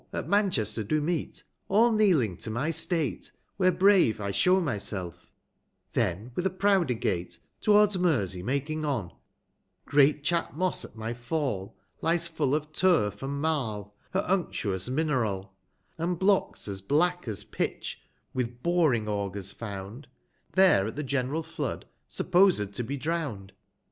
At Manchester do meet, all kneeling to my state, 35 Where brave I show myself ; then with a prouder gait, Tow'rds Mersey making on, great Cluifmosse at my fall. Lies full (»f turf, and marl, her unctuous minerall, And blocks as black as pitch (witli boring augers found), There at the general Flood supposed to be drown'd.